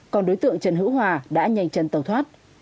còn đối tượng trần hữu hòa đã nhanh chân tàu thoát